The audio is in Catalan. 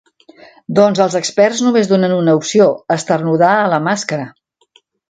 Doncs els experts només donen una opció: esternudar a la màscara.